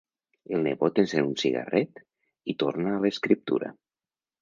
El nebot encén un cigarret i torna a l'escriptura.